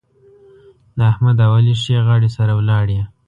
د احمد او علي ښې غاړې سره ولاړې.